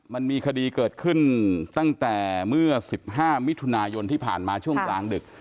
มันมีคดีเกิดขึ้นตั้งแต่เมื่อ๑๕มิถุนายนที่ผ่านมาช่วงกลางดึก